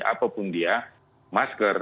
apapun dia masker